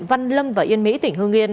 văn lâm và yên mỹ tỉnh hương yên